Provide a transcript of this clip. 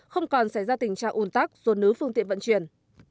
không còn xảy ra tình trạng un tắc ruột nứ phương tiện vận chuyển